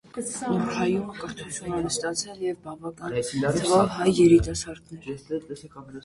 Ուռհայում կրթություն են ստացել և բավական թվով հայ երիտասարդներ։